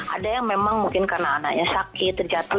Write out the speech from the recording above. ada yang memang mungkin karena anaknya sakit terjatuh